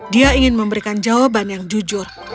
dia ingin memberikan jawaban yang jujur